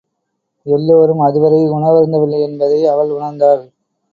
எல்லாரும் அதுவரை உணவருந்தவில்லையென்பதை அவள் உணர்ந்தாள்.